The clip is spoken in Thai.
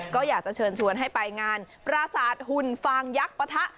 ก็อยากจะเชิญชวนให้ไปงานปราสาทหุ่นฟางยักษ์ปะทะ